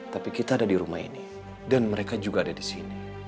tapi kita ada di rumah ini dan mereka juga ada di sini